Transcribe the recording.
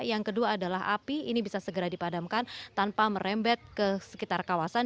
yang kedua adalah api ini bisa segera dipadamkan tanpa merembet ke sekitar kawasan